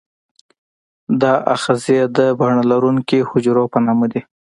دا آخذې د باڼه لرونکي حجرو په نامه دي.